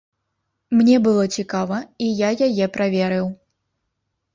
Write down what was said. Мне было цікава, і я яе праверыў.